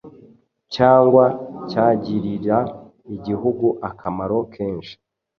cyangwa cyagirira igihugu akamaro kenshi.